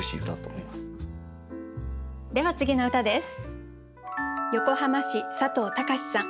では次の歌です。